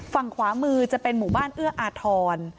ฝั่งขวามือจะเป็นหมู่บ้านเอื้ออาทร